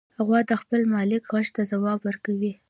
غوا د خپل مالک غږ ته ځواب ورکوي.